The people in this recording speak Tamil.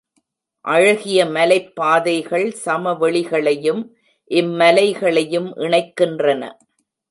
அழகிய மலைப் பாதைகள் சமவெளிகளையும் இம் மலைகளையும் இணைக்கின்றன.